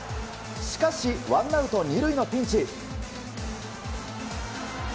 しかし、ワンアウト２塁のピンチ。